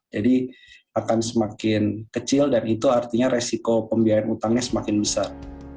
jadi akan semakin kecil dan itu artinya resiko pembiayaan utangnya semakin besar